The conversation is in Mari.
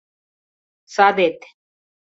Садет.